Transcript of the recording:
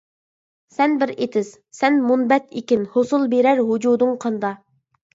سەن بىر ئېتىز. سەن مۇنبەت ئېكىن ھوسۇل بىرەر ۋۇجۇدۇڭ قاندا.